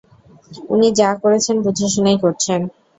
উনি যা করছেন বুঝেশুনেই করছেন।